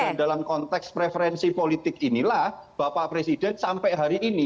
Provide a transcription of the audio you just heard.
dan dalam konteks preferensi politik inilah bapak presiden sampai hari ini